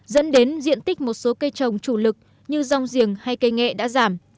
dẫn đến diện tích một số cây trồng chủ lực như rong giềng hay cây nghệ đã giảm